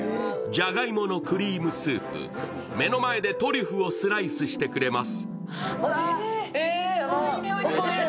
ジャガイモのクリームスープ目の前でトリュフをスライスしてくれます。